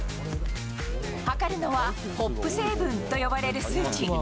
測るのはホップ成分と呼ばれる数値。